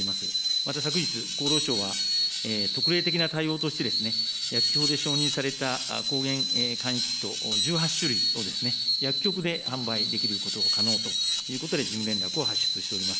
また昨日、厚労省は特例的な対応として、薬局で承認された抗原簡易キット１８種類を、薬局で販売できることを可能ということで、事務連絡を発出しております。